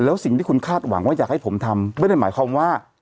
แล้วสิ่งที่คุณคาดหวังว่าอยากให้ผมทำไม่ได้หมายความว่า